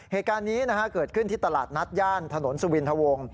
เหตุการณ์นี้เกิดขึ้นที่ตลาดนัดย่านถนนสุวินทวง